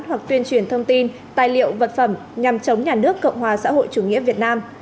hoặc tuyên truyền thông tin tài liệu vật phẩm nhằm chống nhà nước cộng hòa xã hội chủ nghĩa việt nam